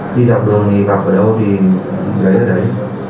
đi gọc đường thì gọc ở đâu thì lấy ở đấy